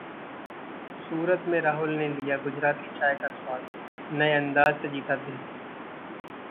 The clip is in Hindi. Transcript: सूरत में राहुल ने लिया गुजराती चाय का स्वाद, नए अंदाज से जीता दिल